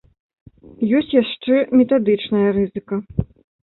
Ёсць яшчэ метадычная рызыка.